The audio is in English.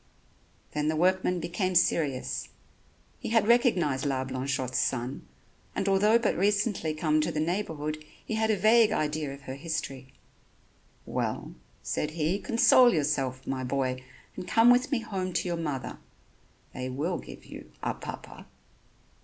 Then the workman became serious. He had recognized La Blanchotte's son, and although but recently come to the neighborhood he had a vague idea of her history. "Well," said he, "console yourself my boy, and come with me home to your mother. They will give you ... a Papa."